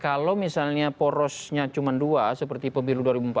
kalau misalnya porosnya cuma dua seperti pemilu dua ribu empat belas